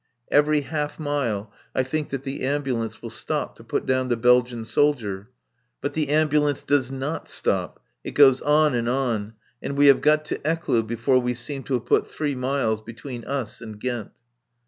Every half mile I think that the ambulance will stop to put down the Belgian soldier. But the ambulance does not stop. It goes on and on, and we have got to Ecloo before we seem to have put three miles between us and Ghent.